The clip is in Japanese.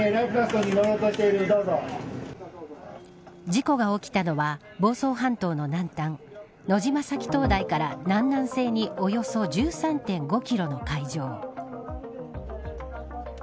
事故が起きたのは房総半島の南端野島埼灯台から南南西におよそ１３．５キロの海上。